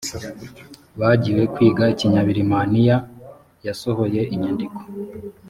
bagiywe kwiga ikinyabirimaniya b yasohoye inyandiko